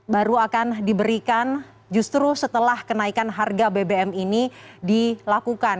baru akan diberikan justru setelah kenaikan harga bbm ini dilakukan